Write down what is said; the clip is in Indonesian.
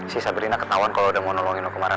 si sabrina ketahuan kalau udah mau nolongin kemarin